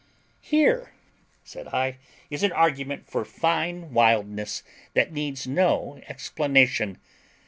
"Here," said I, "is an argument for fine wildness that needs no explanation.